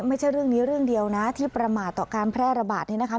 ไม่ใช่เรื่องนี้เรื่องเดียวนะที่ประมาทต่อการแพร่ระบาดนี่นะคะ